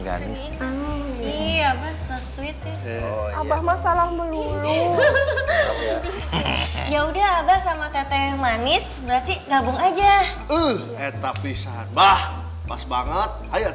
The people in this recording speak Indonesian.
abah masalahmu ya udah sama teteh manis berarti gabung aja